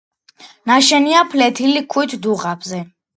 ნაშენია ფლეთილი ქვით დუღაბზე.